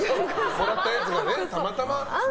もらったやつがたまたまね。